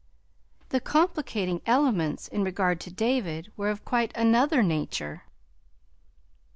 The complicating elements in regard to David were of quite another nature.